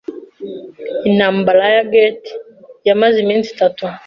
Intambara ya Gettysburg yamaze iminsi itatu.